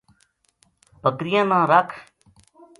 بکریاں نا رکھ